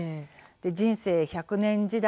人生１００年時代。